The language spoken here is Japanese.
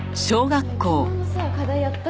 ねえ昨日のさ課題やった？